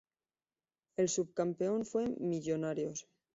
El subcampeón fue Millonarios.